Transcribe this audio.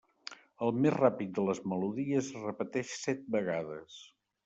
El més ràpid de les melodies es repeteix set vegades.